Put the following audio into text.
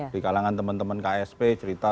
di kalangan teman teman ksp cerita